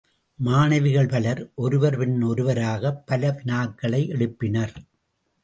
மாணவிகள் பலர், ஒருவர் பின் ஒருவராகப் பல வினாக்களை எழுப்பினர்.